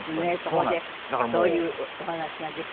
そこでそういうお話ができて。